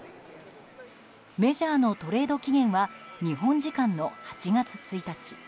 メジャーのトレード期限は日本時間の８月１日。